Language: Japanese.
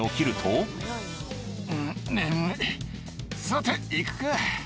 さて行くか。